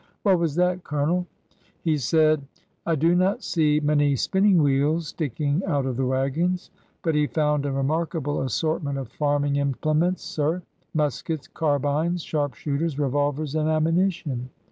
What was that, Colonel ? He said, ^ I do not see many spinning wheels sticking out of the wagons/ But he found a remarkable assort ment of farming implements, sir,— muskets, carbines, sharp shooters, revolvers, and ammunition.